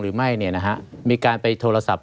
หรือว่าแม่ของสมเกียรติศรีจันทร์